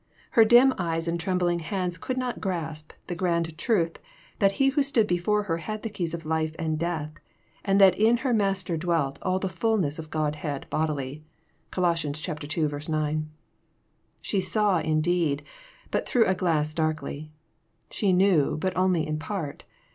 Her dim eyes and trembling hands could not grasp the grand truth that He who stood before her had the keys of life and death, and that in her Master dwelt ^^ all the fulness of the Godhead bodily." (Colos. ii. 9.) She saw indeed, but through a glass darkly. She knew, but only in part.